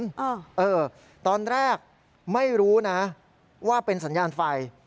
เออเออตอนแรกไม่รู้นะว่าเป็นสัญญาณไฟ